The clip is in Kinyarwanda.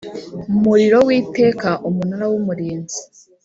muriro w iteka Umunara w Umurinzi